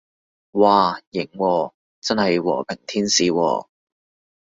嘩，型喎，真係和平天使喎